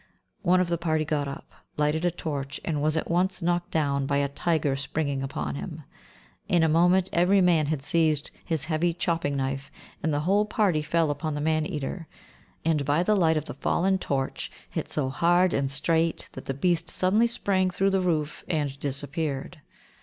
One of the party got up, lighted a torch, and was at once knocked down by a tiger springing upon him. In a moment every man had seized his heavy chopping knife, and the whole party fell upon the man eater, and, by the light of the fallen torch, hit so hard and straight that the beast suddenly sprang through the roof and disappeared.